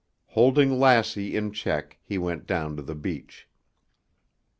Holding Lassie in check he went down to the beach.